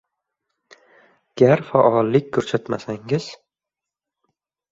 Gar faollik ko‘rsatmasangiz